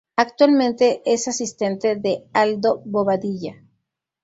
Actualmente es asistente de Aldo Bobadilla.